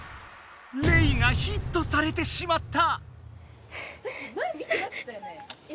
レイがヒットされてしまった。